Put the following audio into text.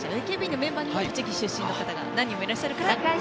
ＡＫＢのメンバーにも栃木出身の方が何人もいらっしゃるから。